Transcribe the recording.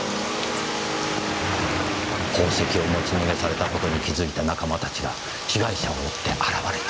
宝石を持ち逃げされた事に気づいた仲間たちが被害者を追って現れた。